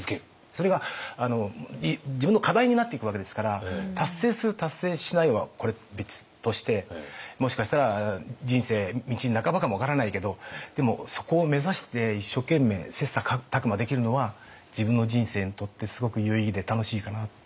それが自分の課題になっていくわけですから達成する達成しないはこれ別としてもしかしたら人生道半ばかも分からないけどでもそこを目指して一生懸命切磋琢磨できるのは自分の人生にとってすごく有意義で楽しいかなって。